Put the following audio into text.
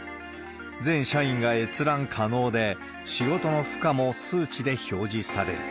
全社員が閲覧可能で、仕事の負荷も数値で表示される。